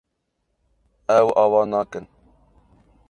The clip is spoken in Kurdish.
Ew ava nakin.